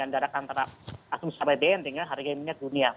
darah antara asumsi abbn dengan harga minyak